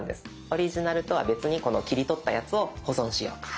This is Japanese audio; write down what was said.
オリジナルとは別にこの切り取ったやつを保存しようと。